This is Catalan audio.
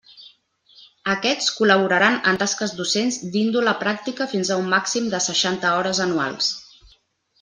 Aquests col·laboraran en tasques docents d'índole pràctica fins a un màxim de seixanta hores anuals.